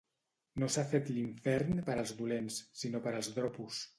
No s'ha fet l'infern per als dolents, sinó per als dropos.